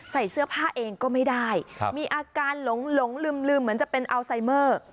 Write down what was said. ใส่เสื้อผ้าเองก็ไม่ได้มีอาการหลงลืมเหมือนจะเป็นอัลไซเมอร์